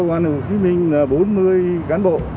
quán hữu phí minh bốn mươi cán bộ